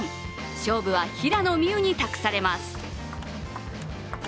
勝負は平野美宇に託されます。